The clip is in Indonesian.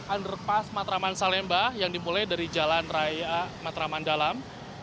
underpass matraman salemba yang dimulai dari jalan raya matraman dalam